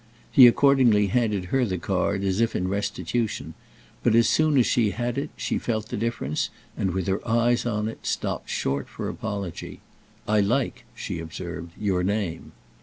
He accordingly handed her the card as if in restitution, but as soon as she had it she felt the difference and, with her eyes on it, stopped short for apology. "I like," she observed, "your name."